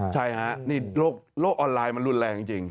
ใช่โรคออนไลน์มันรุนแรงจริง